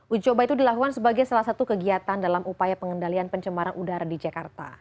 uji coba itu dilakukan sebagai salah satu kegiatan dalam upaya pengendalian pencemaran udara di jakarta